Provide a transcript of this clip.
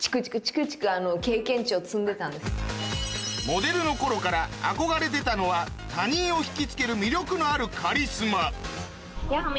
モデルの頃から憧れてたのは他人を引きつける魅力のあるカリスマやっほ